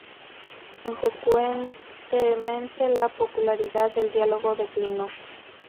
Consecuentemente la popularidad del diálogo declinó.